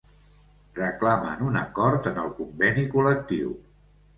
Reclamen un acord en el conveni col·lectiu.